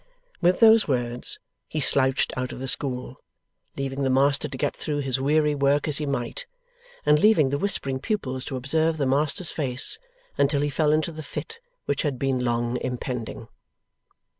With those words, he slouched out of the school, leaving the master to get through his weary work as he might, and leaving the whispering pupils to observe the master's face until he fell into the fit which had been long impending.